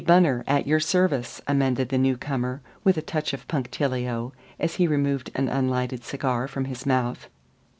Bunner, at your service," amended the newcomer, with a touch of punctilio, as he removed an unlighted cigar from his mouth.